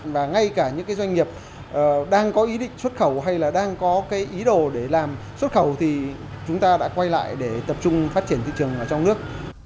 và ngay cả những doanh nghiệp đang có ý định xuất khẩu hay là đang có cái ý đồ để làm xuất khẩu thì chúng ta đã quay lại để tập trung phát triển thị trường trong nước